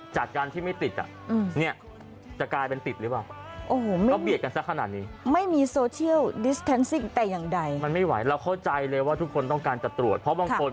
สักคนที่จากไปต้องเจอกับตัวแล้วจะเข้าใจกับอาการที่เรียกว่าทรมานฉันคิดถึงเธอ